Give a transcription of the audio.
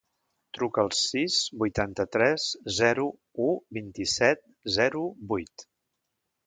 Truca al sis, vuitanta-tres, zero, u, vint-i-set, zero, vuit.